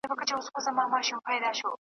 غلامان دي د بل غولي ته روزلي .